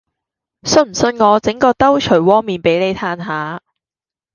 信唔信我整個兜捶窩面俾你嘆下